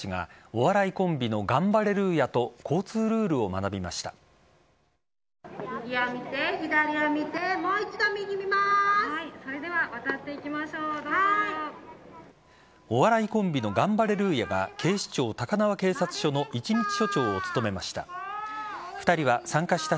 お笑いコンビのガンバレルーヤが警視庁・高輪警察署の一日署長を務めました。